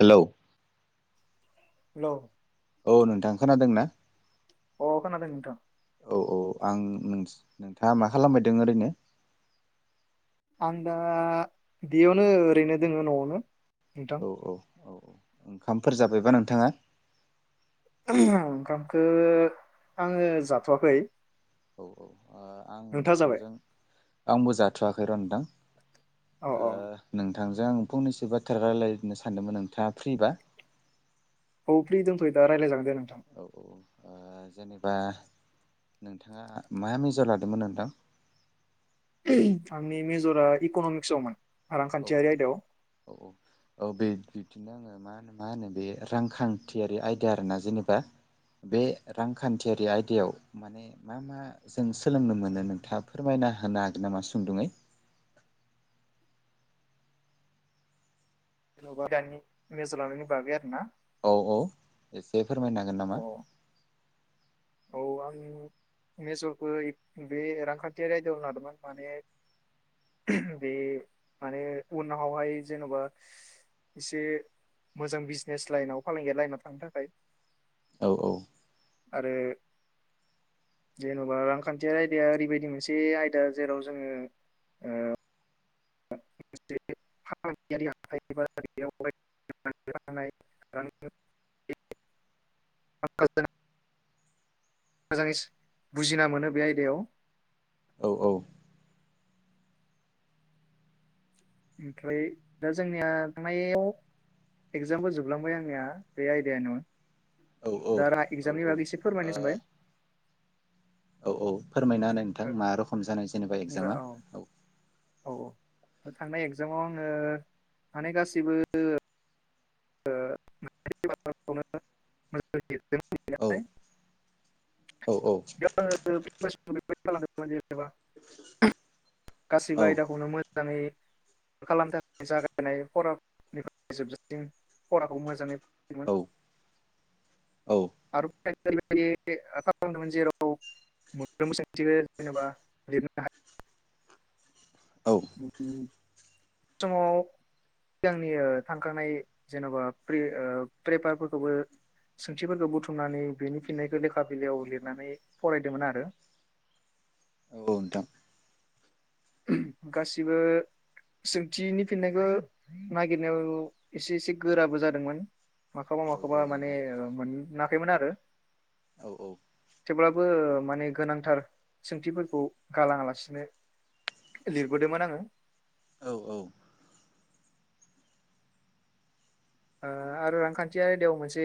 Hello hello औ नोंथां खोनादों ना? अ' खोनादों नोंथां। औ औ आं नोंथाङा मा खालामबायदों ओरैनो? आं दा बेयावनो ओरैनो दोंङो न'आवनो। नोंथां औ औ औ ओंखामफोर जाबायबा नोंथाङा ओंखामखौ आङो जाथ'वाखै औ औ आं नोंथाङा जाबाय नोंथांजों आंबो जाथ'वाखै र' थां औ औ नोंथांजों आं फनसो बाथ्रा रायज्लायनो सानदोंमोन नोंथाङा फ्रिबा औ फिदों थयो दा राय जागोन जांदों औ औ जेनेबा नोंथाङा मा मेजर लादोंमोन नोंथां आंनि मेजरा इक'नमिक्सआवमोन औ रांखान्थियारि आयदायाव बिन्नो आङो मा मा होनो बे रांखान्थियारि आयदा आरोना जेनेबा बे रांखान्थियारि आयदायाव माने मा मा जों सोलोंनो मोनो नोंथाङा फोरमायना होनो हागोन नामा सुंदुङै जेन'बा दानि मेजलांनायनि बागै आरो ना? औ औ एसे फोरमायनो हागोन अ नामा? औ आं मेजरफोर बे रांखान्थियारि आयदायावनो लादोंमोन माने बे माने उनावहाय जेन'बा एसे मोजां बिजनेस लाइनाव फालांगिया लाइनाव थांनो थाखाय। औ औ आरो जेन'बा रांखान्थियारि आयदाया ओरैबायदि मोनसे आयदा जेराव जोङो से फालांगिययाव [unintelligible] मोजाङै बुजिना मोनो बे आयदायाव औ औ ओमफ्राय दा जोंनिया थांनायाव एगजामबो जोबलांबाय आंनिया बे आइडाया नङा औ दा रा एगजामनि औ औ बागै एसे फोरमायनो सानबाय औ औ फोरमायना होनाय नोंथां मा रोखोम जानाय जेनेबा एगजामा औ। औ औ थांनाय एगजामाव आङो माने गाससिबो औ [unintelligible] औ औ खालामोब जेनेबा गाससिबो औ आयदाखौनो मोजाङै खालाम जागायनाय फरफ्राय जोबजासिन फराखौ मोजाङै फरायदोंमोन औ औ आरो रैबायदि खालामदोंमोन जेराव मोन सोंथि जेनेबा लिरनो हाया औ समाव सिगंनि थांखांानाय जेन'बा्रि पेपारफोरखौबो सोंथिफोरखौ बुथुमनानै बेनि फिननायखौ लेखा बिलाइयाव लिरनानै फरायदोंमोन आरो औ नोंथां गासिबो सोंथिनि फिन्नायखौ नागिरनायाव एसे एसे गोराबो जादोंमोन माखौबा औ औ माखौबा माने नोंथां मोनाखैमोन आरो औ औ थेवब्लाबो माने गोनांथार सोंथिफोरखौ गालाङा लासिनो। लिरबोदोंमोन आङो। औ औ आरो रांखान्थियारि आयदायाव मोनसे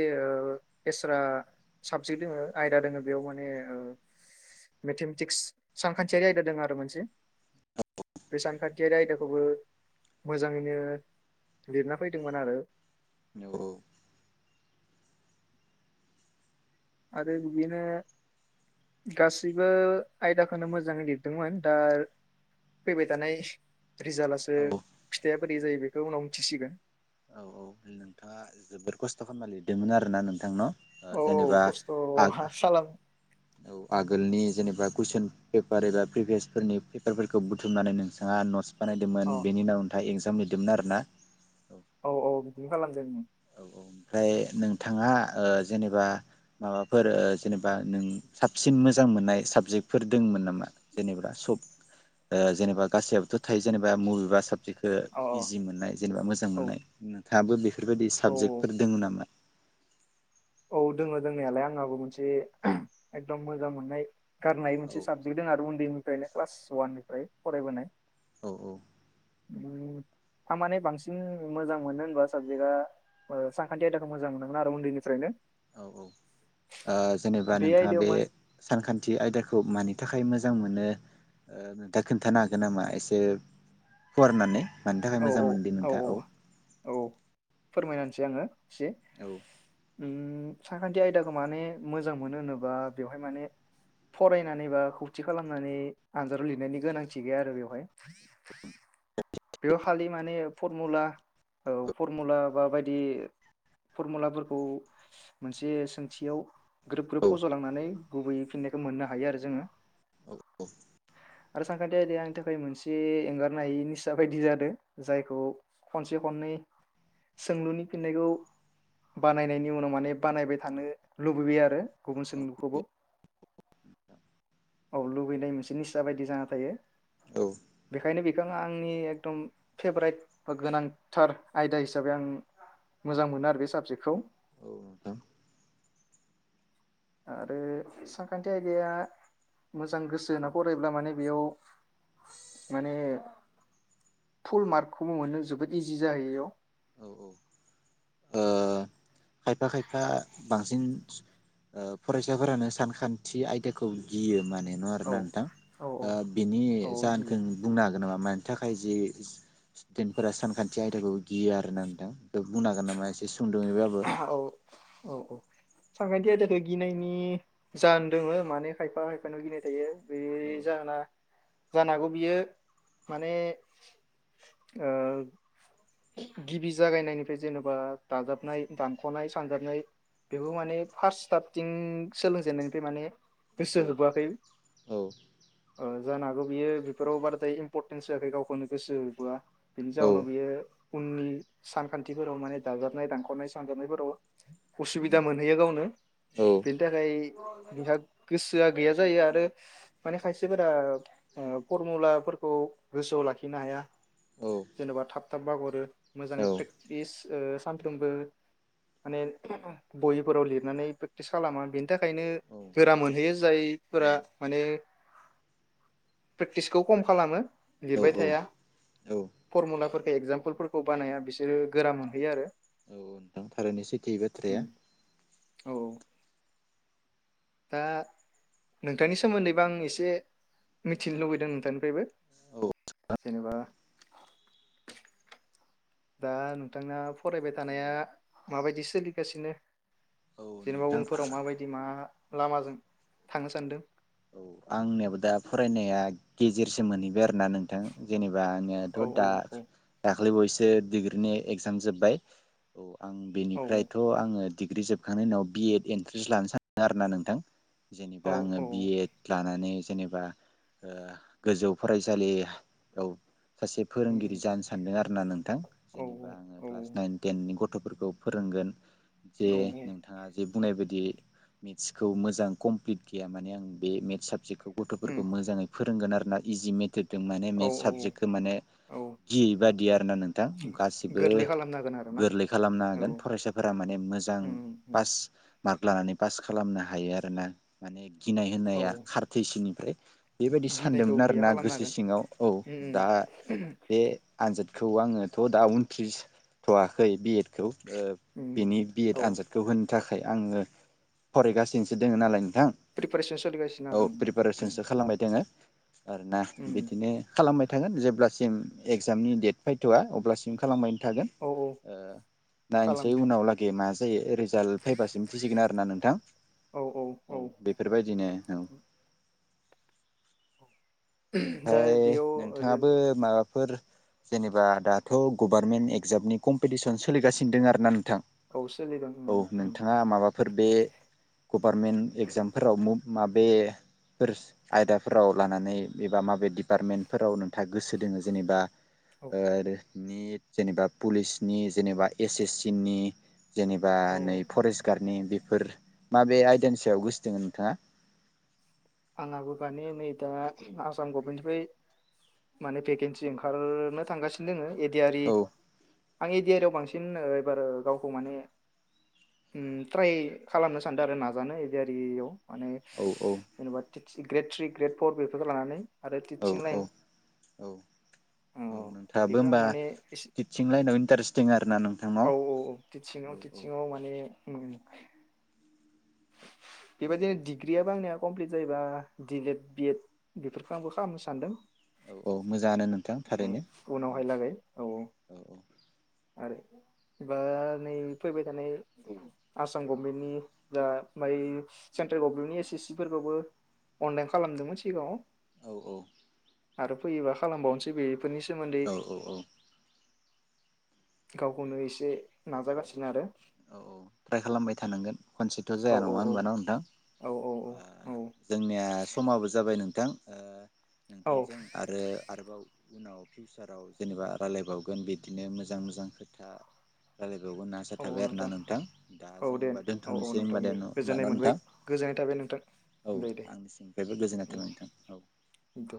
एसट्रा साबजेक्ट दङ आयदा दङ बेयाव माने मेथेमेटिक्स सानखान्थियारि आयदा दङ आरो मोनसे बे सानखान्थियारि आयदाखौबो मोजाङैनो लिरना फैदोंमोन आरो औ। आरो बिदिनो गासैबो आयदाखौनो मोजाङै लिरदोंमोन दा फैबाय थानाय। रिजाल्ट आसो औ खिथाय। बोरै जायो बेखौ उनाव मिथिसिगोन औ औ नोंथाङा जोोबद खस्थ' खालामना लिरदोंमोन आर ना नोंथांनाव औ जेनेबा खस्थ' आ खालाम आगोलनि जेनेबा कुइसन, पेपार एबा प्रिभिस फोरनि पेपारफोरखौ बुथुमनानै नोंथाङा नस, अ बानायदोंमोन बेनि उनाव [unintelligible] इजाम लिरदोंमोन आरोना औ औ औ बिदिबो खालामदों उम, औ ओमफ्राय नोंथाङा ओ जेनेबा माबाफोर ओ जेनेबा नों साबसिन मोजां मोननाय साबजेक्टफोर दंमोन नामा? जेनेबा सब जेनेबा गासैयावबोथ' थायो जेनेबा मुभिबा साब औ [unintelligible] औ इजि मोननाय जेनेबा मोजां औ मोननाय उम, थाबो बेफोरबायदि औ साबजेक्टफोर दङ नामा? औ दङ दंनायालाय आंहाबो मोनसे एकदम मोजां मोननाय, गारनाय औ मोनसे साबजेक्ट दङ आरो उन्दै [unintelligible] क्लास वाननिफ्राय फरायबोनाय, औ औ थारमाने बांसिन मोजां मोनो होनबा साबजेक्टआ सानखान्थि आयदाखौ मोजां मोनोमोन आरो उन्दैनिफ्रायनो, औ औ ओ जेनेबा नोंथाङा बे सानखान्थि आयदाखौ मानि थाखाय मोजां मोनो ओ नोंथा खोनन्थानो हागोन नामा एसे फुवारनानै? मानि थाखाय औ मोजां मोनदि नोंथाङा औ, फोरमायनाहोनसै आङो, एसे औ उम सानखान्थि आयदाखौ माने मोजांमोनो होनोबा बेहाय माने फरायनानै बा खौसे खालामनानै आनजादाव लिरनायनि गोनांथि गैया बेहाय बेयाव खालि मान फमुला औ फरमुला बा बायदि फरमुलाफोरखौ मोनसे सोंथियाव ग्रोब ग्रोब औ फज'लांनानै गुबैयै फिननायखौ मोनो हायो, आरो जोङो आरो सानखान्थि आयदाया आंनि थाखाय मोनसे एंगारनो हायि निसा बायदि जादों जायखौ खनसे खननै, सोंलुनि फिन्नायखौ बानायनायनि उनाव माने बानायबाय थानो लुबैयो आरो गुबुन औ सोंलुखौबो, औ लुबैनाय मोनसे निस्सा बायदि जाना थायो बेखायनो बेखौ आ आंनि एकदम फेभरेट बा गोनांथार आयदा हिसाबै आं मोजां मोनो आरो बे साबजेक्टखौ, नोंथां आरो सानखान्थि आयदाया मोजां गोसो होना फरायब्ला माने बेयाव माने फुल मार्कखौबो मोननो जोबोद इजि जाहैयो बेयाव, औ औ ओ खायफा खायफा बांसिन ओ फरायसाफोरानो सानखान्थि आयदाखौ गियो माने एन आरो इयाव नोंथां औ ओ बिनि औ जाहोनखौ गियो बुंना हो जेनबा मानि थाखाय जि स्टुदेन्टफोरा सानखान्थि आयदाखौ गियो आरोना नोंथां बुंनो हागोन नामा एसे सुंदहैबाबो? औ औ सानखान्थि आयदाखौ गिनायनि जाहोन दोङो माने खायफा खायफानाव गिनाय थायो बे औ जाहोना जानो हागौ बियो माने ओ, गिबि जागायनायनिफ्राय जेनेबा दाजाबनाय दानख'नाय सानजाबनाय बेबो माने फार्स्ट सटारथिं सोलोंजेनन्नायनिफ्राय माने गोसो औ होबोआखै औ ओ जानो हागौ बियो बेफोराव बाराद्राय इम्परटेन्स होआखै गावखौनो गोसो होबोआ बेनि औ जाहोनाव बियो, उननि सानखान्थिफोराव माने दाजाबनाय दानख'नाय सानजाबनायफोराव उसुबिदा मोनहैयो गावनो बेनि थाखाय बेहा गोसोआ गैया जायो आरो माने खायसेफोरा फरमुलाफोरखौ गोसोआव लाखिनो हाया औ जेनेबा थाब थाब [unintelligible] मोजांयै औ प्रेकटिस ओ सानफ्रोमबो माने बहिफोराव लिरनानै प्रेकटिस खालामा बेनि थाखायनो औ गोरा मोनहैयो जायफोरा औ माने प्रेकटिसखौ खम खालामो औ लिरबाय औ थाया औ फरमुलाफोरखौ एकजामपोलफोर खौ बानाया बिसोरो गोरा मोनहैयो आरो औ थारैनो सैथो ए बाथ्राया, उम औ औ दा नोंथांनि सोमोन्दैबो आं एसे मिथिनो लुबैदों नोंथांनिफ्रायबो औ जेनेबा, दा नोंथांना फरायबाय थानाया माबायदि सोलिगासिनो? औ जेनेबा नोंथां उनफोराव माबायदि मा, लामाजों थांनो सानदों। औ आंनियाबो दा फरायनाया गेजेरसो मोनै आरोना नोंथां जेनेबा औ आंनियाथ' औ दा औ [unintelligible] दाखालि बावऔसो डिग्रिनि एगजाम जोब्बाय औ। आं औ बेनिफ्रायथ' आङो डिग्रि जोबखांनायनि उनाव बिएड एन्ट्रेन्स लानो सानदों आर ना नोंथां। जेनेबा औ आङो औ बि एड लानानै जेनेबा ओ गोजौ फरायसालियाव सासे फोरोंगिरि उम जानो सानदों आरो। [unintelligible] [unintelligible] जेनेबा आङो क्लास नाइन टेननि गथ' गथ'फोरखौ फोरोंगोन जे नोंथाङा जे बुंनाय बायदि बिदि मेथ्सखौ मोजां कमप्लिट गैया माने आं बे मेथ्स साबजेक्टखौ गथ'फोरखौ मोजाङै [unintelligible] फोरोंगोन आरो ना इजि मेथोड दों माने औ मेथ्स साबजेक्टखौ माने औ गियै बादि आरोना नोंथां गासिबो गोरलै खालामनो हागोन आरोना गोरलै खालामनो औ हागोन फरायसाफोरा माने मोजां उम उम पास मार्क लानानै पास खालामनो हायो आरोना माने गिनाय औ होननाया खारथो इसिनिफ्राय बेबायदि गिनायखौ सानदोंमोन गैया आरोना खालामनो गोसो हागोन सिङाव औ दा उम उम बे आनजाद [unintelligible] आङोथ' दा उनथ्रिसथ'वाखै बि एड खौ। उम बेनि बि एड औ आनजादखौ [unintelligible] [unintelligible] थाखाय आङो फरायगासिनोसो दङ नालाय नोंथां प्रिपेरेसन औ प्रिपारेसनसो खालामबाय दोङो। आरोना उम, बिदिनो खालामबाय थांगोन जेब्लासिम एगजामनि डेट फैथ'वा अब्लासिम खालामबाय थागोन औ ओ नायनोसै खालामनो उनाव लागै मा जायो ओरै रिजाल्ट फैबासिम मिथिसिगोन आरो ना नोंथां औ बेफोरबायदिनो दा ओमफ्राय बेयाव जेन नोंथाङाबो माबाफोर जेनेबा दाथ' गभार्नमेन्ट एगजामनि कम्पिटिसन सोलिगासिनो दं आरो ना थां औ सोलिदों उम औ उम नोंथाङा माबाफोर बे गभारमेन्ट एगजामफोराव मुभ माबे फोर आयदाफोराव लानानै एबा माबे डिपार्टमेन्टफोराव नोंथाङा गोसो दोङ जेनेबा औ आरो निट जेनेबा पुलिसनि जेनेबा एस एस सि नि जेनेबा औ नै फरेस्ट गार्डनि बेफोर माबे आयदानि सायाव गोसो दोङो नोंथाङा आंहाबो मानि नै दा आसाम गभमेन्टनिफ्राय माने भेकेन्सि ओंखारनो थांगासिनो दोङो ए दि आर इ औ आं ए दि आर इ याव बांसिन ओ एबार गावखौ माने ओम ट्राइ खालामनो सानदो आरो नाजानो ए दि आर इ याव माने औ जेनेबा [unintelligible] ग्रेड थ्रि ग्रेड फर बेफोरखौ लानानै आरो औ टिटचिं लाइन औ औ नोंथाङाबो बेखौ आं होमबा माने एसे टिटसिं लाइनाव इन्टारेस्ट दङ आरो ना नोंथांनाव औ औ औ औ टिटचिंआव टिटचिंआव माने ओम औ बेबायदिनो डिग्रिआ बो आंनिया कमप्लिट जायोबा डिलेड बिएड बेफोरखौ आंबो खालामनो सानदों औ औ मोजाङानो नोंथां औ थारैनो औ उनावहाय लागै औ औ आरो बा नै फैबाय थानाय आसाम गभमेन्टनि दा ओमफ्राय सेन्ट्रेल गभमेन्टनि एस एस सि फोरबो अनलाइन खालामदोंमोन सिगाङाव औ औ आरो फैयोबा खालामबावनोसै बे फोरनि सोमोन्दै औ औ गावखौनो एसे नाजागासिनो आरो औ औ ट्राय खालामबाय थानांगोन खनसेथ' औ जाया औ नङा होमबा न' नोंथां औ औ जोंनिया समाबो जाबाय नों थां ओ औ नोंथांजों आरो आरोबाव उनाव फिउचाराव जेनेबा रायज्लायबावगोन बिदिनो मोजां मोजां खोथा रायलायबावनो नाजा थाबाय आरोना नोंथां दा औ जों दे ओमबा औ औ दोन्थ'नोसै होनबा नोंथां दे होनबा न' गोजोननाय मोनबाय नोंथां गोजोननाय थाबाय नोंथां औ दे दे आंनि सिंनिफ्रायबो गोजोननाय उम थाबाय नोंथां औ दे